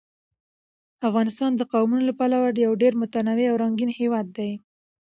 افغانستان د قومونه له پلوه یو ډېر متنوع او رنګین هېواد دی.